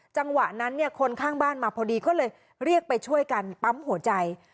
จังหวะนั้นเนี่ยคนข้างบ้านมาพอดีก็เลยเรียกไปช่วยกันปั๊มหัวใจ